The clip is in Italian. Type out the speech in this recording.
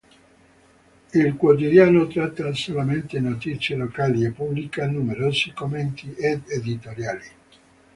Il quotidiano tratta solamente notizie locali e pubblica numerosi commenti ed editoriali.